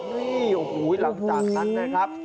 นี่โอ้โหหลังจากนั้นนะครับ